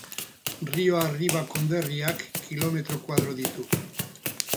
Rio Arriba konderriak kilometro koadro ditu.